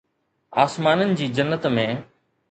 آسمانن جي جنت ۾